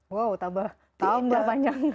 wow tambah tambah banyak